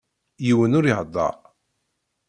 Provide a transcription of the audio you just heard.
Yiwen ur ihedder.